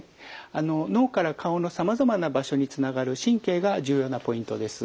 あの脳から顔のさまざまな場所につながる神経が重要なポイントです。